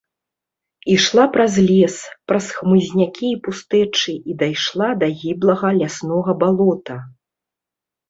Ішла праз лес, праз хмызнякі і пустэчы і дайшла да гіблага ляснога балота.